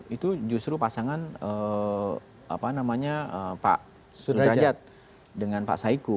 itu justru pasangan pak sudrajat dengan pak saiku